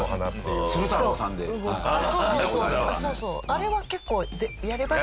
あれは結構。